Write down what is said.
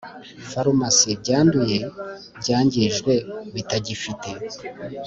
Farumasi byanduye byangijwe bitagifite